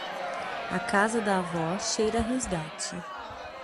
A casa da avó cheira a resgate.